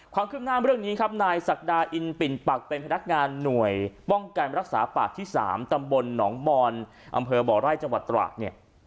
ความคืบหน้าเรื่องนี้ครับนายศักดาอินปิ่นปักเป็นพนักงานหน่วยป้องกันรักษาปากที่๓ตำบลหนองบอนอำเภอบ่อไร่จังหวัดตราดเนี่ย